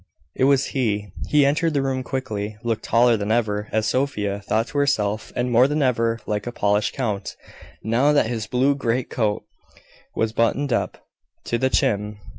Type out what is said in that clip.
It was he. He entered the room quickly, looked taller than ever, as Sophia thought to herself, and more than ever like a Polish Count, now that his blue great coat was buttoned up to the chin.